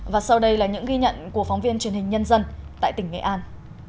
và sau đây là những ghi nhận của phóng viên truyền hình nhân dân tại tỉnh nghệ an